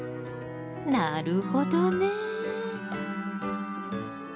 なるほどね。